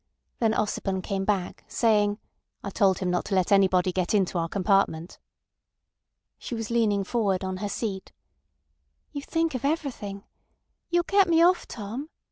Then Ossipon came back, saying: "I told him not to let anybody get into our compartment." She was leaning forward on her seat. "You think of everything. ... You'll get me off, Tom?"